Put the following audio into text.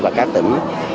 và các tỉnh